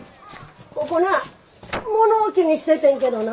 ここなあ物置にしててんけどな。